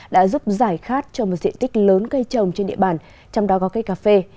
đã giúp giải khát cho một diện tích lớn cây trồng trên địa bàn trong đó có cây cà phê